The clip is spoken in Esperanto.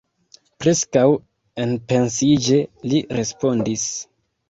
Preskaŭ enpensiĝe li respondis: